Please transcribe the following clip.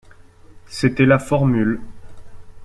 C’était la formule.